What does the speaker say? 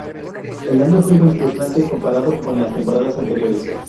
El año fue muy frustrante comparado con las temporadas anteriores.